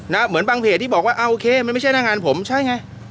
เหมือนบางเพจที่บอกว่าโอเคมันไม่ใช่หน้างานผมใช่ไง